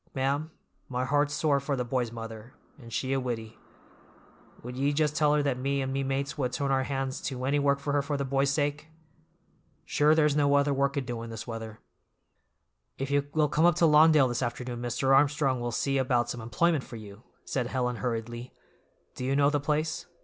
Ma'am, my heart's sore for the boy's mother, and she a widdy. Would ye just tell her that me and me mates would turn our hands to any work for her for the boy's sake? Sure there's no other work a doin' this weather." "If you will come up to Lawndale this afternoon Mr. Armstrong will see about some employment for you," said Helen hurriedly. "Do you know the place?